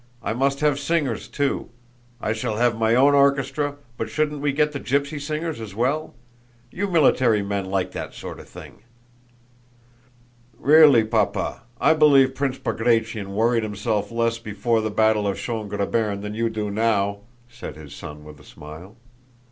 I must have singers too. I shall have my own orchestra, but shouldn't we get the gypsy singers as well? You military men like that sort of thing." "Really, Papa, I believe Prince Bagratión worried himself less before the battle of Schön Grabern than you do now," said his son with a smile.